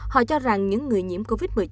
họ cho rằng những người nhiễm covid một mươi chín